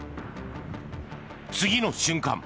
次の瞬間